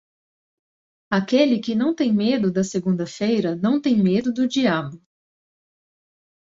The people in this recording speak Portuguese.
Aquele que não tem medo da segunda-feira não tem medo do diabo.